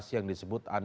satu orang diserang